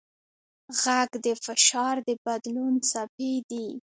غږ د فشار د بدلون څپې دي.